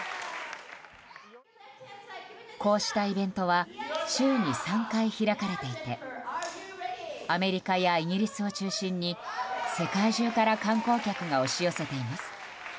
こうしたイベントは週に３回開かれていてアメリカやイギリスを中心に世界中から観光客が押し寄せています。